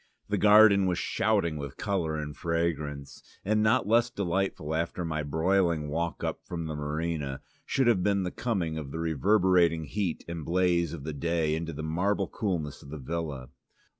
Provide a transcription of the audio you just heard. The garden was shouting with colour and fragrance, and not less delightful after my broiling walk up from the marina, should have been the coming from the reverberating heat and blaze of the day into the marble coolness of the villa.